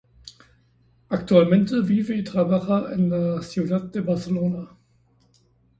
Actualmente vive y trabaja en la ciudad de Barcelona.